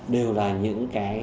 đều là những cái